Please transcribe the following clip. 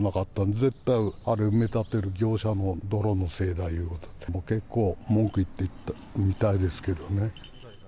絶対あれ、埋め立てる業者の泥のせいだということで、結構文句言ってたみたいですけどね。